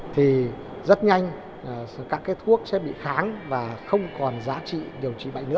thì rất nhanh các thuốc sẽ bị kháng và không còn giá trị điều trị